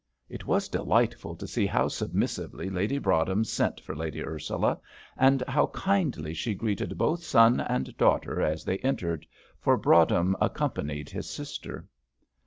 It was delightful to see how submissively Lady Broadhem sent for Lady Ursula, and how kindly she greeted both son and daughter as they entered, for Broadhem accompanied his sister.